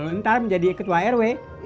kalo lo ntar menjadi ketua rw